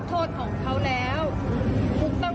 แม่มาส่งบุ๊คไปครั้งสุดท้ายแล้วนะลูกนะ